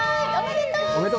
おめでとう。